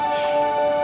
aku ingin mencobanya